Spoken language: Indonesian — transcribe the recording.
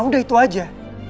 udah itu aja